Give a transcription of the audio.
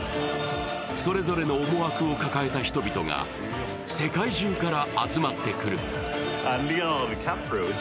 それぞれの思惑を抱えた人々が世界中から集まってくる。